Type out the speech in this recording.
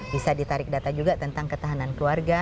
bisa ditarik data juga tentang ketahanan keluarga